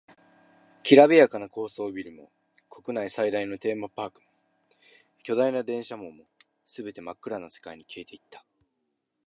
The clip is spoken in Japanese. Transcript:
きらびやかな高層ビルも、国内最大のテーマパークも、巨大な電車網も、全て真っ暗な世界に消えていった。